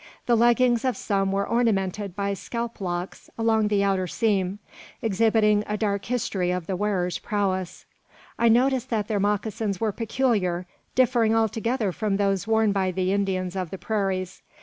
The leggings of some were ornamented by scalp locks along the outer seam, exhibiting a dark history of the wearer's prowess. I noticed that their moccasins were peculiar, differing altogether from those worn by the Indians of the prairies.